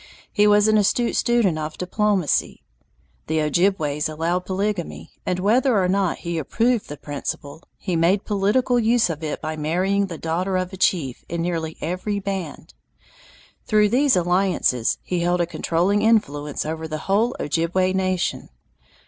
He was an astute student of diplomacy. The Ojibways allowed polygamy, and whether or not he approved the principle, he made political use of it by marrying the daughter of a chief in nearly every band. Through these alliances he held a controlling influence over the whole Ojibway nation.